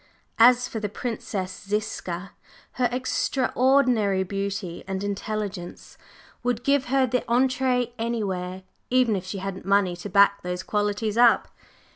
As for the Princess Ziska, her extraordinary beauty and intelligence would give her the entrée anywhere even if she hadn't money to back those qualities up."